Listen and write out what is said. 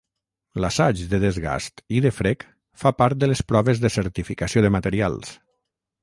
L'assaig de desgast i de frec fa part de les proves de certificació de materials.